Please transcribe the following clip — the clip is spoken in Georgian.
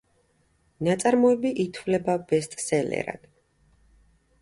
ნაწარმოები ითვლება ბესტსელერად.